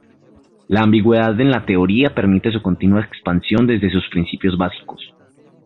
La ambigüedad en la teoría permite su continua expansión desde sus principios básicos.